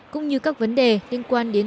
cũng như các vấn đề liên quan đến